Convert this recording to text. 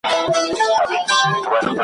ژونده ستا په غېږ کي زنګېدلم لا مي نه منل ,